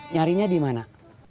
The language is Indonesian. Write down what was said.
nyarinya di mana